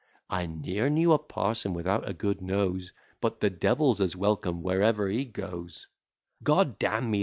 I ne'er knew a parson without a good nose; But the devil's as welcome, wherever he goes: G d d n me!